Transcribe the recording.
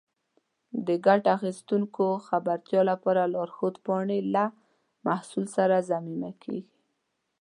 د ګټه اخیستونکو د خبرتیا لپاره لارښود پاڼې له محصول سره ضمیمه کېږي.